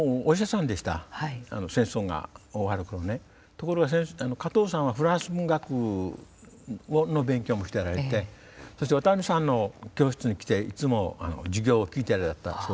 ところが加藤さんはフランス文学の勉強もしておられてそして渡辺さんの教室に来ていつも授業を聞いておられたそうです。